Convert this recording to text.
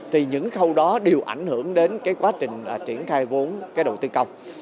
thì những khâu đó đều ảnh hưởng đến cái quá trình triển khai vốn cái đầu tư công